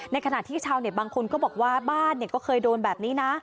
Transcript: ขณะที่ชาวเน็ตบางคนก็บอกว่าบ้านก็เคยโดนแบบนี้นะ